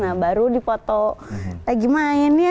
nah baru dipoto lagi main ya